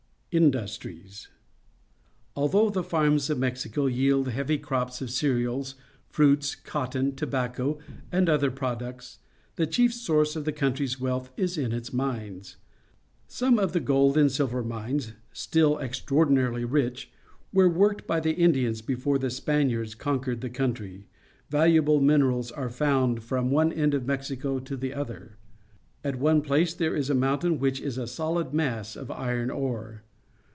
Industries. — Although the farms of Mexico yield heavy crops of cereals fmits, cotton, tobacco, and other products, the chief source of the country's wealth is in its mines. Some of the gold and silver mines, still extraordinarily rich, were worked by the Indians before the Spaniards conquered the country, ^"aluable minerals are found from one end of Mexico to the other. At one place there is a mountain which is a sohd mass of iron ore.